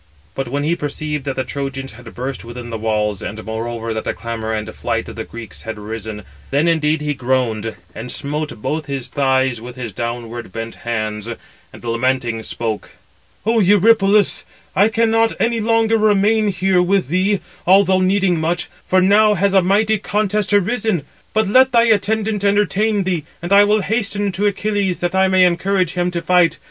But when he perceived that the Trojans had burst within the walls, and moreover that a clamour and flight of the Greeks had arisen, then indeed he groaned, and smote both his thighs with his downward bent hands; and lamenting spoke: "O Eurypylus, I cannot any longer remain here with thee, although needing much, for now has a mighty contest arisen. But let thy attendant entertain thee, and I will hasten to Achilles, that I may encourage him to fight.